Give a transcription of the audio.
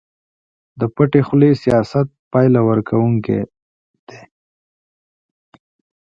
د پټې خولې سياست پايله ورکوونکی دی.